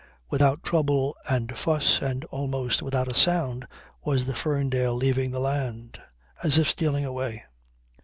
Without trouble and fuss and almost without a sound was the Ferndale leaving the land, as if stealing away.